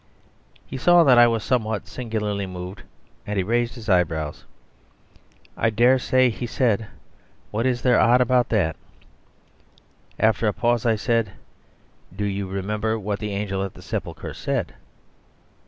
He saw that I was somewhat singularly moved, and he raised his eyebrows. "I daresay," he said. "What is there odd about that?" After a pause I said, "Do you remember what the angel at the sepulchre said?"